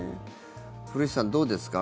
古市さん、どうですか？